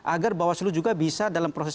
agar bawaslu juga bisa dalam proses